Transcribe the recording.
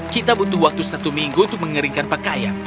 kita butuh waktu satu minggu untuk mengeringkan pakaian